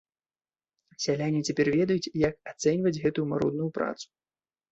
Сяляне цяпер ведаюць, як ацэньваць гэтую марудную працу.